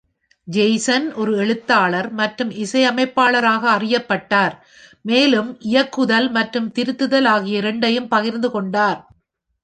Jason ஒரு எழுத்தாளர் மற்றும் இசையமைப்பாளராக அறியப்பட்டார், மேலும் இயக்குதல் மற்றும் திருத்துதல் ஆகிய இரண்டையும் பகிர்ந்து கொண்டார்.